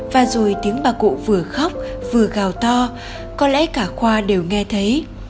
và rồi tiếng bà cụ vừa khóc vừa gào to có lẽ cả khoa đều nghe thấy